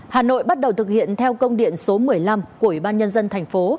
hà nội bắt đầu thực hiện theo công điện số một mươi năm của ủy ban nhân dân thành phố